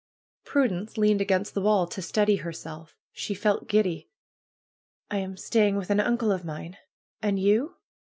Prudence leaned against the wall to steady herself. She felt giddy. am staying with an uncle of mine. And you?"